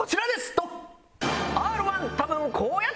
ドン！